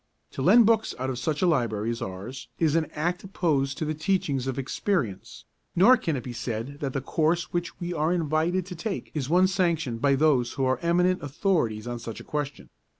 To lend books out of such a library as ours is an act opposed to the teachings of experience, nor can it be said that the course which we are invited to take is one sanctioned by those who are eminent authorities on such a question.